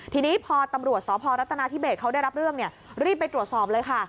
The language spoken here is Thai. ทีนี้พอตำรวจสพรัฐนาธิเบสเขาได้รับเรื่องรีบไปตรวจสอบเลยค่ะ